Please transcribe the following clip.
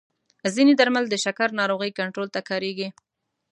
ځینې درمل د شکر ناروغۍ کنټرول ته کارېږي.